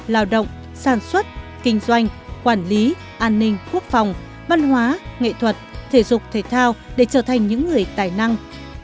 lao động sản xuất kinh doanh quản lý an ninh quốc phòng văn hóa nghệ thuật thể dục thể thao để trở thành những người tài năng